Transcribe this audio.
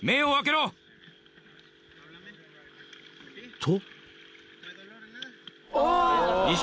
［と］